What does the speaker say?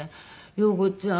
「陽子ちゃん